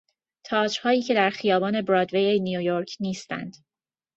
تئاترهایی که در خیابان برادوی نیویورک نیستند.